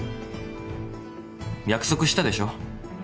約束したでしょ。